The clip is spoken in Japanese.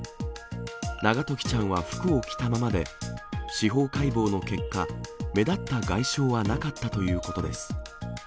永時ちゃんは服を着たままで、司法解剖の結果、目立った外傷はなかったということです。